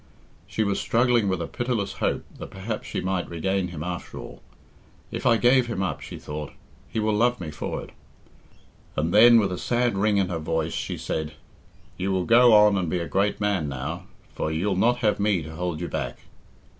She was struggling with a pitiless hope that perhaps she might regain him after all. "If I give him up," she thought, "he will love me for it;" and then, with a sad ring in her voice, she said, "You will go on and be a great man now, for you'll not have me to hold you back."